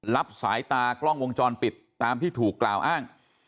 รับสายตากล้องวงจรปิดตามที่ถูกกล่าวอ้าง